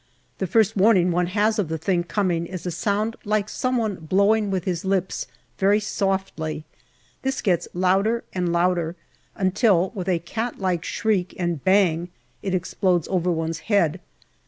The first warning one has of the thing coming is a sound like some one blowing with his lips very softly. This gets louder and louder, until with a cat like shriek and bang it explodes over one's head.